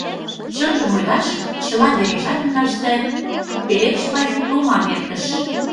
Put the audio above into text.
— Чынжым ойлаш, чыла вережат ӱмаште Пеледыш пайрем томам эртыш.